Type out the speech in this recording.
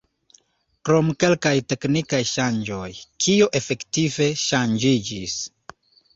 Krom kelkaj teknikaj ŝanĝoj, kio efektive ŝanĝiĝis?